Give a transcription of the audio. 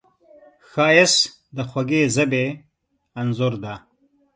ښایست د خوږې ژبې انځور دی